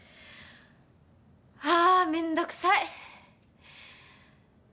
あめんどくさい。